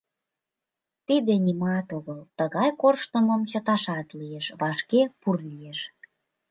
Тиде нимат огыл, тыгай корштымым чыташат лиеш, вашке пурлиеш.